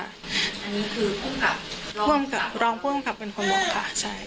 อันนี้คือผู้กำกับรองผู้กำกับเป็นคนบอกค่ะ